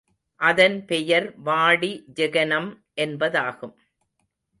அதன் பெயர் வாடி ஜெகனம் என்பதாகும்.